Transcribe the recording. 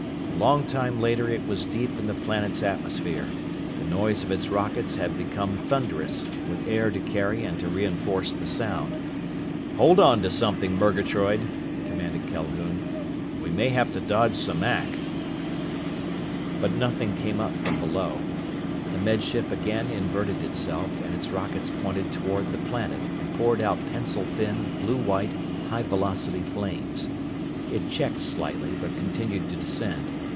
A long time later it was deep in the planet's atmosphere. The noise of its rockets had become thunderous, with air to carry and to reinforce the sound. "Hold on to something, Murgatroyd," commanded Calhoun. "We may have to dodge some ack." But nothing came up from below. The Med Ship again inverted itself, and its rockets pointed toward the planet and poured out pencil thin, blue white, high velocity flames. It checked slightly, but continued to descend.